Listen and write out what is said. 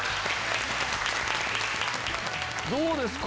どうですか？